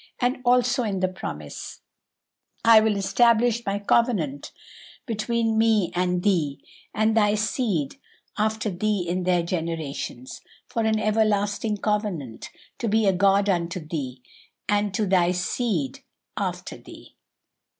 "And also in the promise, 'I will establish my covenant between me and thee, and thy seed after thee in their generations, for an everlasting covenant, to be a God unto thee, and to thy seed after thee.'"